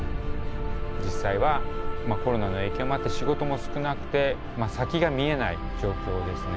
実際はコロナの影響もあって仕事も少なくて先が見えない状況ですね。